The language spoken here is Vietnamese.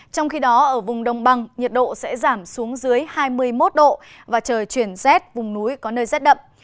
trong khi đó ở vùng đông bằng nhiệt độ sẽ giảm xuống dưới hai mươi một độ và trời chuyển rét vùng núi có nơi rét đậm